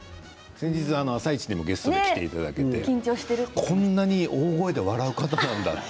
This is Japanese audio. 先日「あさイチ」に来ていただいてこんなに大声で笑う方なんだって。